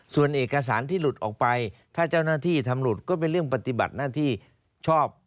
ส่วนเอกสารที่หลุดออกไปถ้าเจ้าหน้าที่ทำหลุดก็เป็นเรื่องปฏิบัติหน้าที่ชอบ